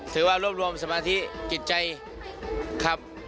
ถือว่ารวบรวมสมาธิจิตใจครับ